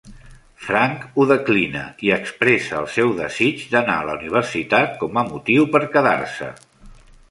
Frank ho declina, i expressa el seu desig d'anar a la universitat com a motiu per quedar-se.